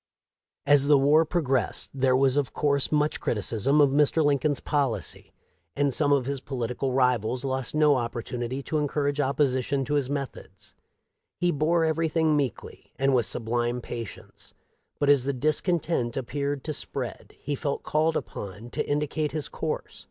As the war progressed, there was of course much criticism of Mr. Lincoln's policy, and some of his polit ical rivals lost no opportunity to encourage opposi tion to his methods. He bore everything meekly and with sublime patience, but as the discontent ap peared to spread he felt called upon to indicate his course.